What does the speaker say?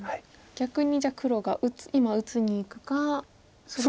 逆にじゃあ黒が今打ちにいくかそれかもしくは。